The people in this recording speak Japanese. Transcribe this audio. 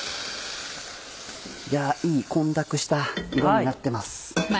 いい混濁した色になってます。